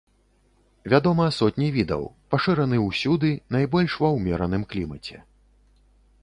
Вядома сотні відаў, пашыраны ўсюды, найбольш ва ўмераным клімаце.